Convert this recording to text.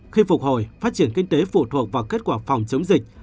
khi phục hồi phát triển kinh tế phụ thuộc vào kết quả phòng chống dịch